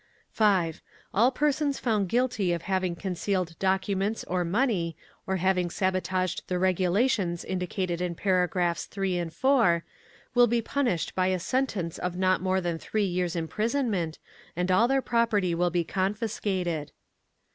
5. All persons found guilty of having concealed documents or money, or having sabotaged the regulations indicated in paragraphs 3 and 4, will be punished by a sentence of not more than three years' imprisonment, and all their property will be confiscated.